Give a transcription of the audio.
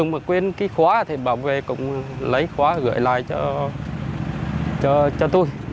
mà quên cái khóa thì bảo vệ cũng lấy khóa gửi lại cho tôi